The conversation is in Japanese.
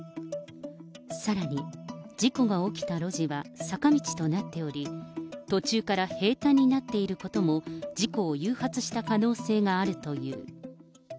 さらに事故が起きた路地は坂道となっており、途中から平たんになっていることも、事故を誘発した可能性があるという。